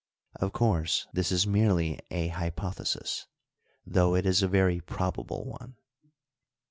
Of course, this is merely a hypothesis, though it is a very probable one.